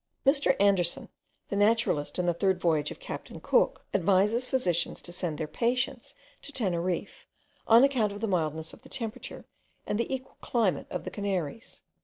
Mr. Anderson, the naturalist in the third voyage of captain Cook, advises physicians to send their patients to Teneriffe, on account of the mildness of the temperature and the equal climate of the Canaries.